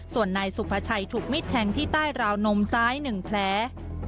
ส่วนนายสุภาชัยถูกมิดแทงที่ใต้ราวนมซ้าย๑แผล